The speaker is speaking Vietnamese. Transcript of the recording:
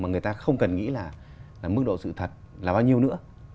mà người ta không cần nghĩ là mức độ sự thật là bao nhiêu nữa